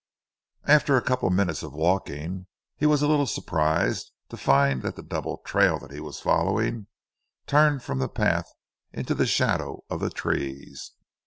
After a couple of minutes walking, he was a little surprised to find that the double trail that he was following, turned from the path into the shadow of the trees.